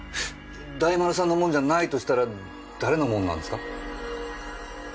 大丸さんのもんじゃないとしたら誰のもんなんですか？